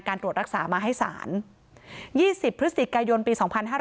ตรวจรักษามาให้ศาล๒๐พฤศจิกายนปี๒๕๕๙